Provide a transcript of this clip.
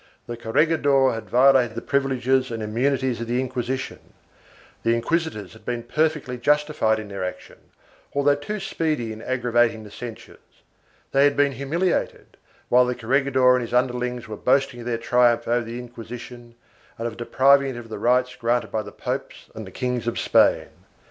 The corregidor had violated the privileges and immunities of the Inquisition; the inquisitors had been perfectly justified in their action, although too speedy in aggravating the censures; they had been humiliated, while the corregidor and his underlings were boasting of their triumph over the Inquisition and of depriv ing it of the rights granted by the popes and the kings of Spain.